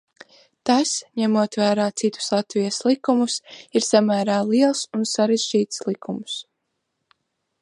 Tas, ņemot vērā citus Latvijas likumus, ir samērā liels un sarežģīts likums.